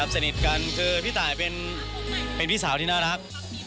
สนิทกันคือพี่ตายเป็นพี่สาวที่น่ารัก